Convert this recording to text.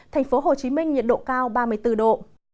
thành phố hồ chí minh nhiệt độ cao ba mươi bốn độ